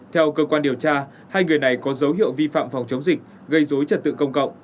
theo cơ quan điều tra hai người này có dấu hiệu vi phạm phòng chống dịch gây dối trật tự công cộng